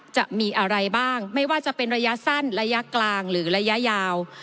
จะมีอะไรบ้างไม่ว่าจะเป็นระยะสั้นระยะกลางหรือระยะยาว